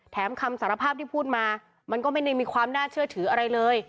คำสารภาพที่พูดมามันก็ไม่ได้มีความน่าเชื่อถืออะไรเลย